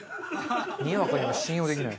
にわかには信用できない。